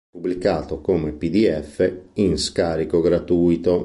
Pubblicato come pdf in scarico gratuito.